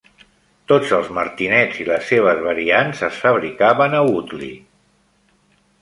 Tots els martinets i les seves variants es fabricaven a Woodley.